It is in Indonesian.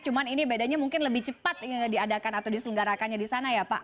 cuma ini bedanya mungkin lebih cepat diadakan atau diselenggarakannya di sana ya pak